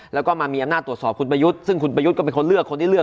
แล้วก็มามีอำนาจตรวจสอบคุณประยุทธ์ซึ่งคุณประยุทธ์ก็เป็นคนเลือกคนที่เลือก